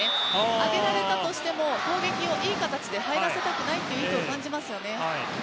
上げられたとしても攻撃をいい形で入らせたくないという意図を感じますよね。